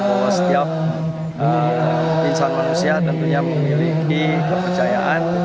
bahwa setiap insan manusia tentunya memiliki kepercayaan